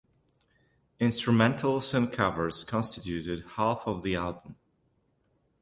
Instrumentals and covers constituted half of the album.